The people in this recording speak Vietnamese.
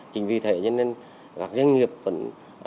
chính vì thế cho nên các doanh nghiệp vẫn